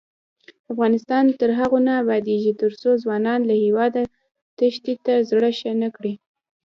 افغانستان تر هغو نه ابادیږي، ترڅو ځوانان له هیواده تېښتې ته زړه ښه نکړي.